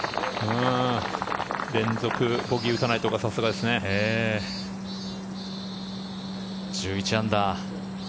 連続ボギーを打たないところが１１アンダー。